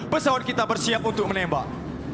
pesawat kita bersiap untuk menembak